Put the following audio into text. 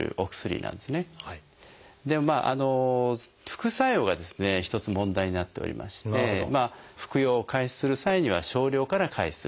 副作用がですね一つ問題になっておりまして服用を開始する際には少量から開始するということが大事。